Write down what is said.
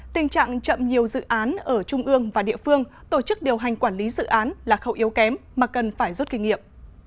tình trạng chậm nhiều dự án ở trung ương và địa phương tổ chức điều hành quản lý dự án là khẩu yếu kém mà cần phải rút kinh nghiệm